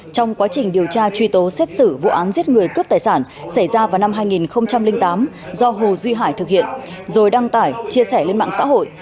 trong quá trình điều tra truy tố xét xử vụ án giết người cướp tài sản xảy ra vào năm hai nghìn tám do hồ duy hải thực hiện rồi đăng tải chia sẻ lên mạng xã hội